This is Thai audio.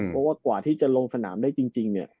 เพราะว่ากว่าที่จะลงสนามได้จริงเนี่ย